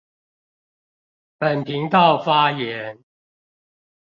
本頻道發言